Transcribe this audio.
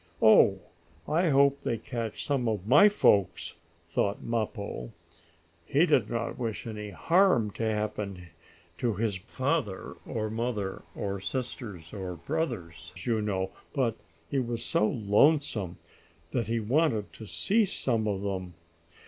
"Oh, I hope they catch some of my folks!" thought Mappo. He did not wish any harm to happen to his father or mother, or sisters or brothers, you know, but he was so lonesome, that he wanted to see some of them.